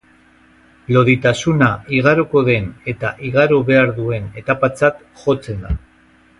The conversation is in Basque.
Loditasuna igaroko den eta igaro behar duen etapatzat jotzen da.